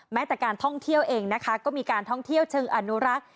แม้แต่การท่องเที่ยวเองนะคะก็มีการท่องเที่ยวเชิงอนุรักษ์